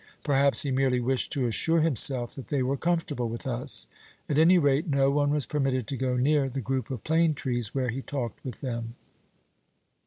Perhaps he merely wished to assure himself that they were comfortable with us. At any rate, no one was permitted to go near the group of plane trees where he talked with them.